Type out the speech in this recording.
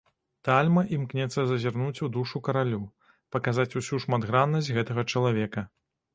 Тальма імкнецца зазірнуць у душу каралю, паказаць усю шматграннасць гэтага чалавека.